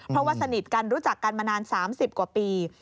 เพราะว่าสนิทกันรู้จักกันมานาน๓๐กว่าปี